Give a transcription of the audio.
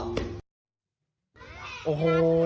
ว่าจะไม่ตื่นขนาดนั้น